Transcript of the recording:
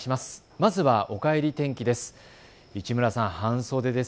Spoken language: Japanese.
まずは、おかえり天気です。